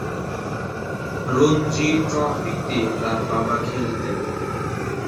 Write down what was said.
রঞ্জি ট্রফিতে তার বাবা খেলতেন।